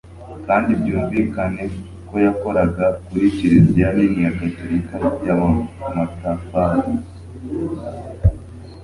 kandi byumvikane ko yakoraga kuri kiliziya nini ya gatolika y'amatafari